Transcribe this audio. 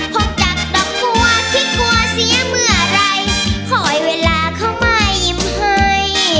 พกจากดอกบัวคิดกลัวเสียเมื่อไหร่คอยเวลาเข้ามายิ้มให้